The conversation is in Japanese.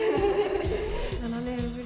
７年ぶり。